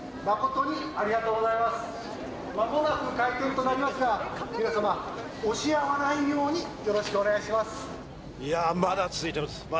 間もなく開店となりますが皆様押し合わないようによろしくお願いします。